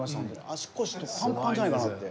足腰とかパンパンじゃないかなって。